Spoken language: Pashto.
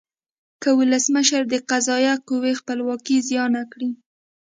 که ولسمشر د قضایه قوې خپلواکي زیانه کړي.